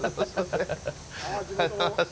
ありがとうございます。